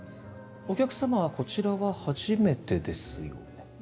お客様はこちらは初めてですよね？